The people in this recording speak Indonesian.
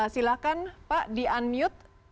silahkan pak di unmute